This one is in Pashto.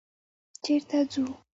چېرې ځو؟